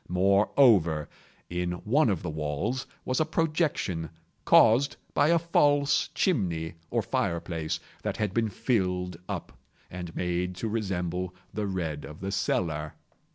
Moreover, in one of the walls was a projection, caused by a false chimney, or fireplace, that had been filled up, and made to resemble the red of the cellar.